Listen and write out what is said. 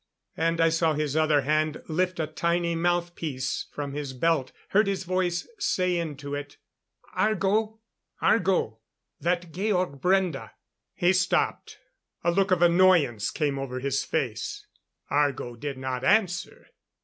And I saw his other hand lift a tiny mouthpiece from his belt; heard his voice say into it: "Argo? Argo! That Georg Brende " He stopped; a look of annoyance came over his face. Argo did not answer!